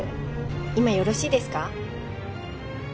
今よろしいですか？